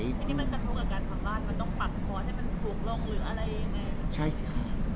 คุกกับการทำบ้านมันต้องปรับพอให้มันถูกลงหรืออะไรอย่างนี้